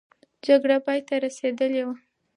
جګړه پای ته رسېدلې وه.